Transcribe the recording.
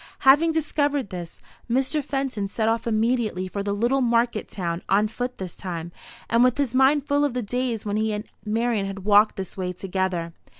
Having discovered this, Mr. Fenton set off immediately for the little market town, on foot this time, and with his mind full of the days when he and Marian had walked this way together.